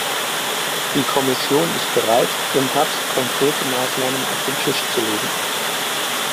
Die Kommission ist bereit, im Herbst konkrete Maßnahmen auf den Tisch zu legen.